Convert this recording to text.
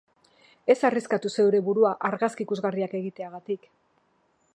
Ez arriskatu zeure burua argazki ikusgarriak egiteagatik.